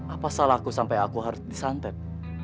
apa salahku sampai aku harus disantet